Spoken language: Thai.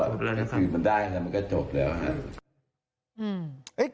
คือมันได้มันก็จบแล้ว